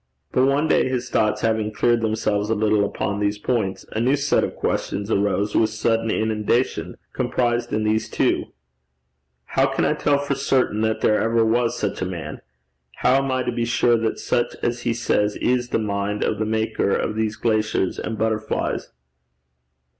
But one day, his thoughts having cleared themselves a little upon these points, a new set of questions arose with sudden inundation comprised in these two: 'How can I tell for certain that there ever was such a man? How am I to be sure that such as he says is the mind of the maker of these glaciers and butterflies?'